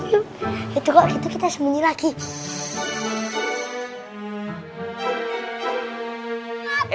yuk itu kok kita sembunyi lagi